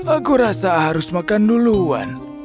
aku rasa harus makan duluan